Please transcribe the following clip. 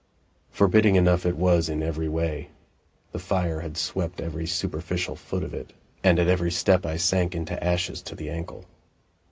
Forbidding enough it was in every way. The fire had swept every superficial foot of it, and at every step I sank into ashes to the ankle.